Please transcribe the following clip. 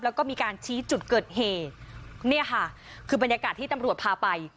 แล้วก็มีการชี้จุดเกิดเหตุเนี่ยค่ะคือบรรยากาศที่ตำรวจพาไป